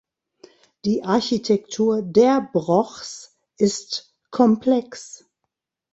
Die Architektur der Brochs ist komplex.